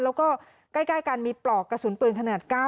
แล้วก็ใกล้กันมีปลอกกระสุนปืนขนาด๙